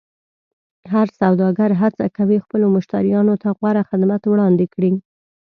هر سوداګر هڅه کوي خپلو مشتریانو ته غوره خدمت وړاندې کړي.